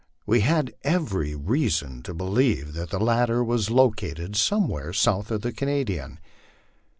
We had every reason to believe that the latter was located somewhere south of the Canadian.